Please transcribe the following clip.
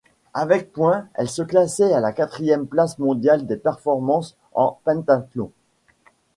Avec points, elle se classait à la quatrième place mondiale des performances en pentathlon.